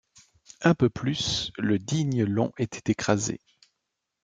Un peu plus, le digne Long était écrasé.